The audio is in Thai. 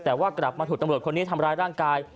แต่ว่ากลับมาถูกตำรวจคนนี้ทำร้ายร่างกาย